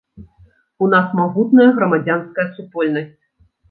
У нас магутная грамадзянская супольнасць.